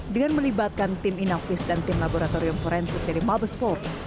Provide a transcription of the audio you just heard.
dengan melibatkan tim inavis dan tim laboratorium forensik dari mabespor